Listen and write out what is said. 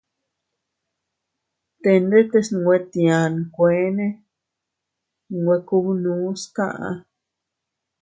Te ndetes nwe tia nkueene nwe kubnus kaʼa.